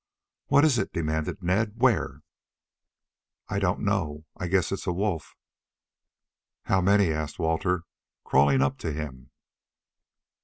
"What is it?" demanded Ned. "Where?" "I don't know. I guess it's a wolf." "How many?" asked Walter, crawling up to him.